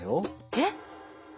えっ？